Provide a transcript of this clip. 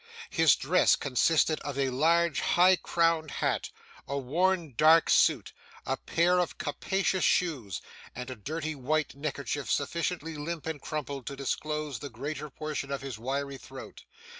His dress consisted of a large high crowned hat, a worn dark suit, a pair of capacious shoes, and a dirty white neckerchief sufficiently limp and crumpled to disclose the greater portion of his wiry throat.